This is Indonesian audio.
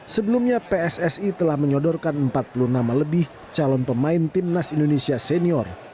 sebelumnya pssi telah menyodorkan empat puluh nama lebih calon pemain timnas indonesia senior